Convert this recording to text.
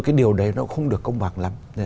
cái điều đấy nó không được công bằng lắm